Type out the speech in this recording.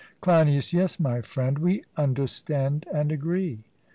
CLEINIAS: Yes, my friend, we understand and agree.